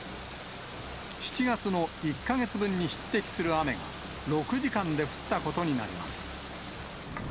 ７月の１か月分に匹敵する雨が６時間で降ったことになります。